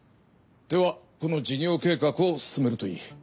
ではこの事業計画を進めるといい。